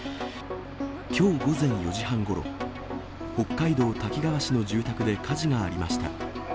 きょう午前４時半ごろ、北海道滝川市の住宅で火事がありました。